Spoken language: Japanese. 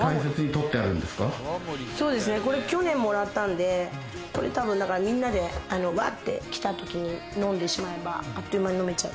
これ、去年もらったんで、みんなでわって来たときに飲んでしまえば、あっという間に飲めちゃう。